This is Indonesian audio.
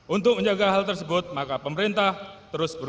untuk menjaga hal tersebut maka pemerintah yang berada di luar negara